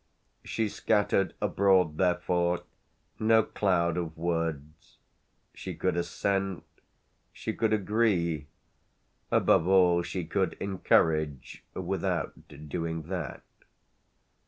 She scattered abroad therefore no cloud of words; she could assent, she could agree, above all she could encourage, without doing that.